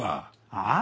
ああ？